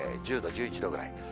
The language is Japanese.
１０度、１１度ぐらい。